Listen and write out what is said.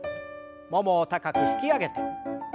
ももを高く引き上げて。